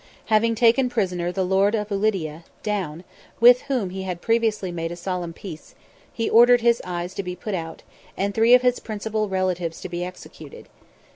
Having taken prisoner the lord of Ulidia (Down), with whom he had previously made a solemn peace, he ordered his eyes to be put out, and three of his principal relatives to be executed.